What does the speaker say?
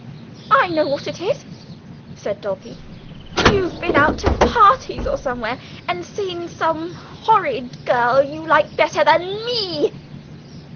"I know what it is!" said Dulcie. "You've been out to parties, or somewhere, and seen some horrid girl ... you like ... better than me!"